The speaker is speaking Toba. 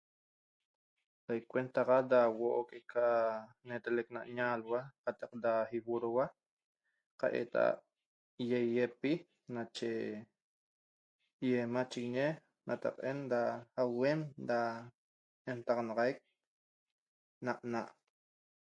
Icuenataxa da huoo ca neteleq na ñalhua cataq da iborogua ca eta da ieiepi nache ñe machiguiñe da ahuen da entaxanaxaiq na naa'